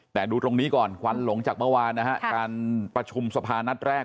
แต่ดูตรงนี้ก่อนควันหลงจากเมื่อวานนะฮะการประชุมสภานัดแรก